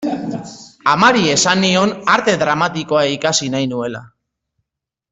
Amari esan nion Arte Dramatikoa ikasi nahi nuela.